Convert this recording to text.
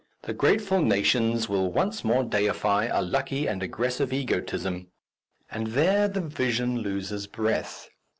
The grateful nations will once more deify a lucky and aggressive egotism.... And there the vision loses breath.